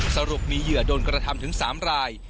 สรุปมีเหยื่อโดนกระทำถึง๓ราย